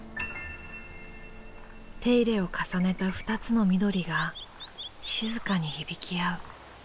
手入れを重ねた２つの緑が静かに響き合う。